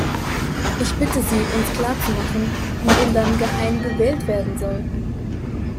Ich bitte Sie, uns klarzumachen, wie denn dann geheim gewählt werden soll!